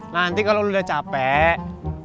nanti kalo lu udah capek